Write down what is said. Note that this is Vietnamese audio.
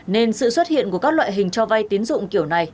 nên sự xuất hiện của các loại hình cho vay tiến dụng kiểu này